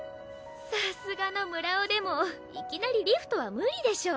さすがの村尾でもいきなりリフトは無理でしょ。